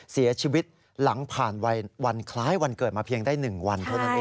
เสียชีวิตหลังผ่านวันคล้ายวันเกิดมาเพียงได้๑วันเท่านั้นเอง